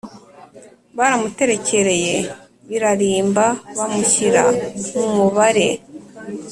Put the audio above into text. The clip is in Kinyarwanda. baramuterekereye, birarimba bamushyira mu mubare